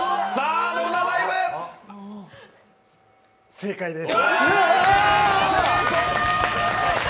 正解です。